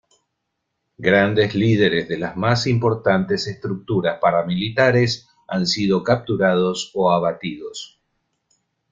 Grandes líderes de las más importantes estructuras paramilitares han sido capturados o abatidos.